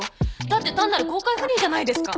だって単なる公開不倫じゃないですか。